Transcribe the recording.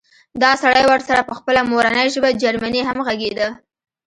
دا سړی ورسره په خپله مورنۍ ژبه جرمني هم غږېده